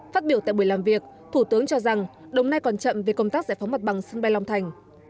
phát biểu tại buổi làm việc thủ tướng cho rằng đồng nai còn chậm về công tác giải phóng mặt bằng sân bay long thành